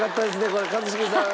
これ一茂さん。